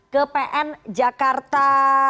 ke pn jakarta